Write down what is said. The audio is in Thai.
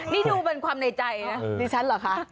นี่ดูเป็นความในใจนะดิฉันเหรอคะ